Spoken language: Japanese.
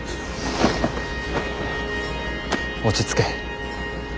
落ち着け。